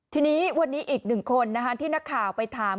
ทีนี้วันนี้อีกหนึ่งคนที่นักข่าวไปถาม